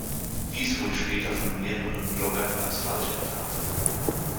Dies wurde später von mehreren Bloggern als falsch entlarvt.